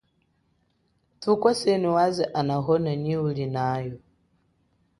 Thukwasenu waze anahona nyi ulinayo.